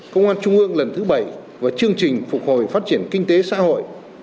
công an trung ương lần thứ bảy và chương trình phục hồi phát triển kinh tế xã hội